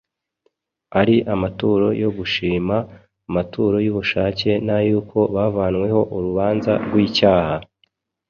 ari amaturo yo gushima, amaturo y’ubushake n’ay’uko bavanweho urubanza rw’icyaha.